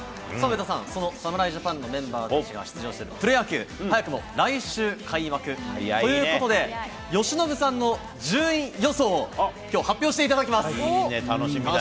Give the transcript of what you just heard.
上田さん、その侍ジャパンのメンバーが出場しているプロ野球、早くも来週開幕ということで、由伸さんの順位予想をきょう、発表していただきいいね、楽しみだね。